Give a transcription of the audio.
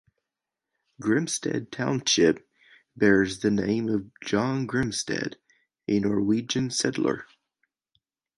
Grimstad Township bears the name of John Grimstad, a Norwegian settler.